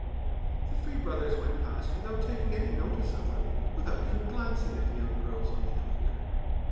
The three brothers went past without taking any notice of them, without even glancing at the young girls on the hillock.